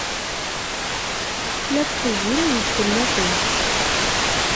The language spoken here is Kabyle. La ttqejjiment fell-akent.